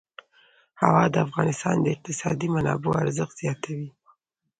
هوا د افغانستان د اقتصادي منابعو ارزښت زیاتوي.